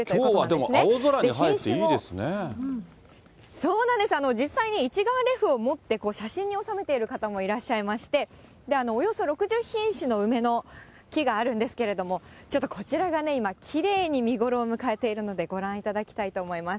そうなんですよ、実際に一眼レフを持って、写真に収めている方もいらっしゃいまして、およそ６０品種の梅の木があるんですけれども、ちょっとこちらがね、今、きれいに見頃を迎えているので、ご覧いただきたいと思います。